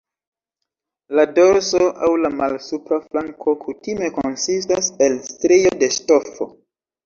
La dorso aŭ la malsupra flanko kutime konsistas el strio de ŝtofo.